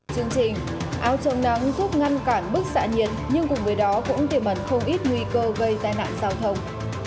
chương trình áo trộn nắng thuốc ngăn cản bức xạ nhiệt nhưng cùng với đó cũng tiềm mạnh không ít nguy cơ gây tai nạn xao thông